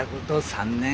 ３年